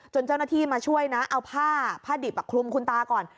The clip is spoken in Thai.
เจ้าหน้าที่มาช่วยนะเอาผ้าผ้าดิบคลุมคุณตาก่อน